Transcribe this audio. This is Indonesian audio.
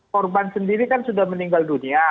korban sendiri kan sudah meninggal dunia